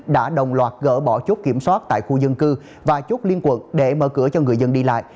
đã đồng loạt gỡ bỏ chốt kiểm soát tại khu dân cư và chốt liên quận để mở cửa cho người dân đi lại